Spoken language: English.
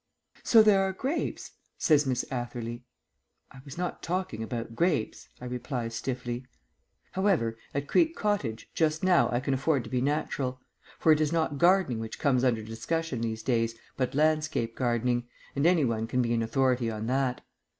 "So there are grapes," says Miss Atherley. "I was not talking about grapes," I reply stiffly. However, at Creek Cottage just now I can afford to be natural; for it is not gardening which comes under discussion these days, but landscape gardening, and any one can be an authority on that.